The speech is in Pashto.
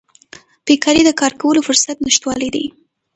بیکاري د کار کولو فرصت نشتوالی دی.